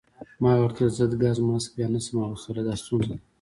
ما ورته وویل: ضد ګاز ماسک بیا نه شم اغوستلای، دا ستونزه ده.